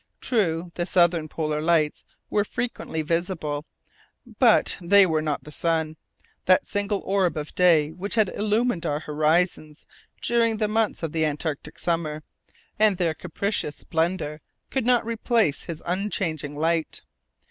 True, the southern polar lights were frequently visible; but they were not the sun, that single orb of day which had illumined our horizons during the months of the Antarctic summer, and their capricious splendour could not replace his unchanging light.